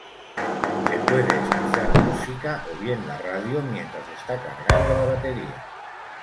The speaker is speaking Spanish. Se puede escuchar música o bien la radio mientras está cargando la batería.